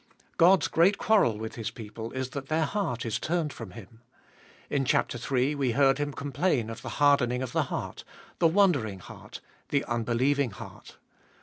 God's great quarrel with His people is that their heart is turned from Him. In chap. iii. we heard Him complain of the hardening of the heart, the wandering heart, the unbelieving heart.